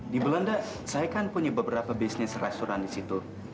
di belanda saya kan punya beberapa bisnis restoran di situ